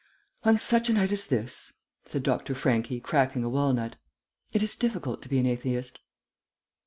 "On such a night as this," said Dr. Franchi, cracking a walnut, "it is difficult to be an atheist."